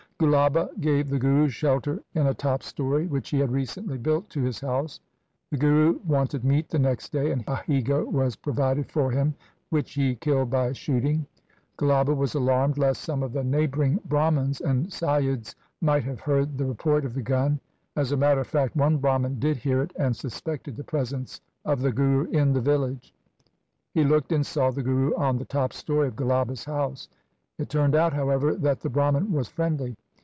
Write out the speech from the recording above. Gulaba gave the Guru shelter in a top story which he had recently built to his house. The Guru wanted meat the next day, and a he goat was pro vided for him which he killed by shooting. Gulaba was alarmed lest some of the neighbouring Brahmans and Saiyids might have heard the report of the gun. As a matter of fact one Brahman did hear it, and suspected the presence of the Guru in the village. He looked and saw the Guru on the top story of Gulaba's house. It turned out, however, that the Brahman was friendly.